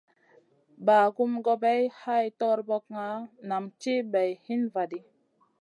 Bagumna gobay hay torbokna nam ti bay hin va ɗi.